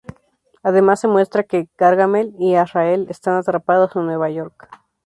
Además se muestra que Gargamel y Azrael están atrapados en Nueva York.